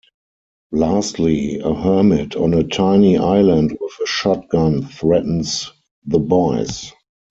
Lastly, a hermit on a tiny island with a shotgun threatens the boys.